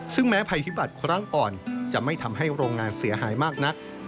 ซึ่งแม้ภัยพิบัติครั้งก่อนจะไม่ทำให้โรงงานเสียหายมากนัก